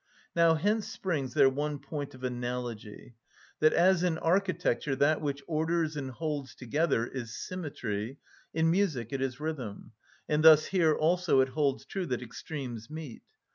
(26) Now hence springs their one point of analogy, that as in architecture that which orders and holds together is symmetry, in music it is rhythm, and thus here also it holds true that extremes meet.